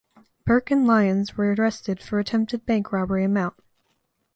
Burke and Lyons were arrested for attempted bank robbery in Mt.